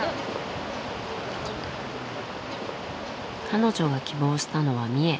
彼女が希望したのは三重。